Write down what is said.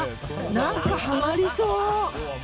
何か、はまりそう。